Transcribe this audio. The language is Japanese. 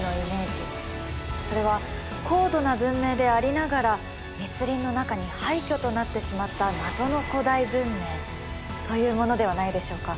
それは高度な文明でありながら密林の中に廃虚となってしまった謎の古代文明というものではないでしょうか。